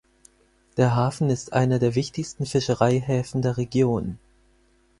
Der Hafen ist einer der wichtigsten Fischereihäfen der Region.